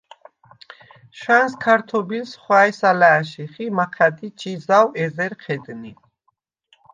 შუ̂ა̈ნს ქართობილს ხუ̂ა̈ჲს ალა̄̈შიხ ი მაჴა̈დი ჩი ზაუ̂ ეზერ ჴედნი.